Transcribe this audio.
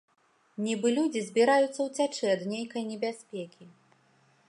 Нібы людзі збіраюцца ўцячы ад нейкай небяспекі.